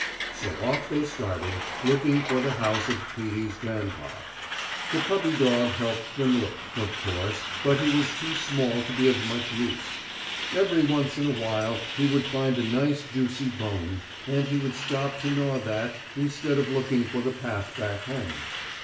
So off they started, looking for the house of Peetie's grandpa. The puppy dog helped them look, of course, but he was too small to be of much use. Every once in a while he would find a nice juicy bone, and he would stop to gnaw that instead of looking for the path back home.